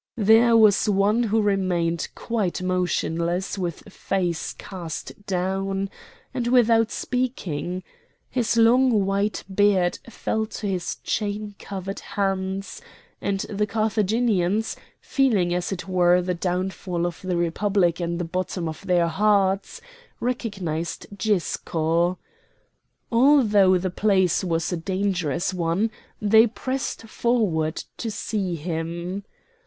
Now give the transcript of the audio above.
There was one who remained quite motionless with face cast down, and without speaking; his long white beard fell to his chain covered hands; and the Carthaginians, feeling as it were the downfall of the Republic in the bottom of their hearts, recognised Gisco. Although the place was a dangerous one they pressed forward to see him.